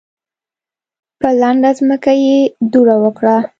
په لنده ځمکه یې دوړه وکړه.